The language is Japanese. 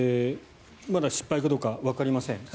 まだ失敗かどうかわかりません。